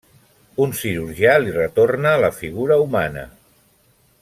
Un cirurgià li retorna la figura humana.